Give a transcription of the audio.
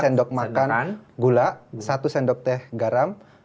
sendok makan gula satu sendok teh garam